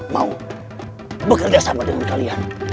mau bekerja sama dengan kalian